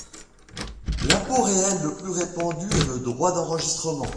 L'impôt réel le plus répandu est le droit d'enregistrement.